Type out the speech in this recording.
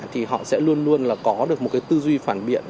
thì họ sẽ luôn luôn là có được một cái tư duy phản biện